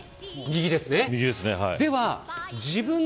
右ですね。